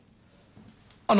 あの。